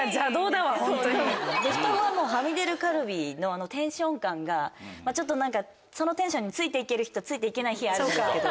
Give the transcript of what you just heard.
ふたごははみ出るカルビのあのテンション感がちょっとそのテンションについて行ける日とついて行けない日あるんですけど。